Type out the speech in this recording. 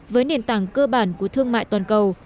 với nền tảng cơ bản của thương mại toàn cầu